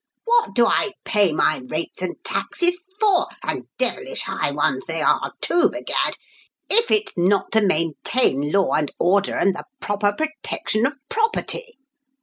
What do I pay my rates and taxes for and devilish high ones they are, too, b'gad if it's not to maintain law and order and the proper protection of property?